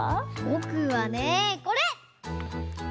ぼくはねこれ！